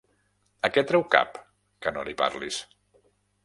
A què treu cap, que no li parlis?